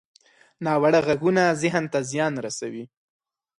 ناوړه غږونه ذهن ته زیان رسوي